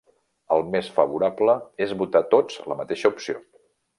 El més favorable és votar tots la mateixa opció.